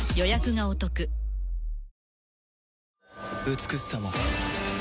美しさも